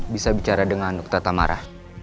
bisa bicara dengan dokter tamara